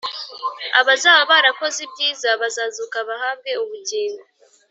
Abazaba barakoze ibyiza bazazuka bahabwe ubugingo